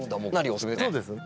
そうですね。